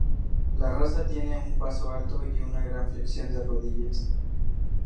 La raza tiene un paso alto y una gran flexión de rodillas.